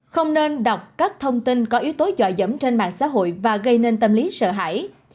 không nên đọc các thông tin có yếu tố dọa dẫm trên mạng xã hội và gây nên tâm lý sợ hãi